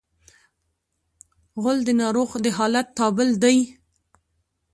غول د ناروغ د حالت تابل دی.